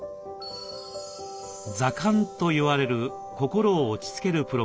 座観といわれる心を落ち着けるプログラム。